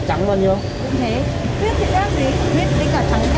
không có yến huyết như bên kia